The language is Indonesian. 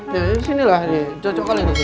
nah ini sini lah cocok kali ini sini